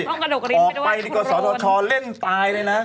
ต้องกระดูกริ้มไปด้วยว่าโครนโครนออกไปก็สอดทอชอเล่นตายเลยนะ